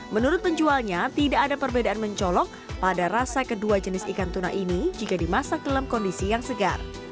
menurut penjualnya tidak ada perbedaan mencolok pada rasa kedua jenis ikan tuna ini jika dimasak dalam kondisi yang segar